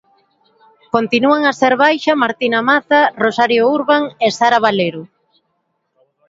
Continúan a ser baixa Martina Mazza, Rosario Urban e Sarah Valero.